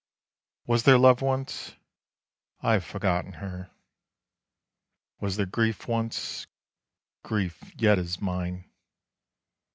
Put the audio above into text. Was there love once? I have forgotten her. Was there grief once? grief yet is mine.